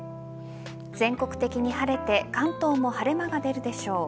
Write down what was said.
全国的に晴れて関東も晴れ間が出るでしょう。